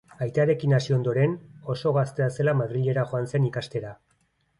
Aitarekin hasi ondoren, oso gaztea zela Madrilera joan zen ikastera.